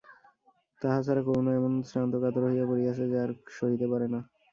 তাহা ছাড়া করুণা এমন শ্রান্ত কাতর হইয়া পড়িয়াছে যে আর সে সহিতে পারে না।